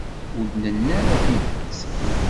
Ur d-nenni ara tidet.